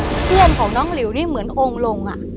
ฮะอ่าเพื่อนของน้องลิวนี่เหมือนองค์ลงอ่ะ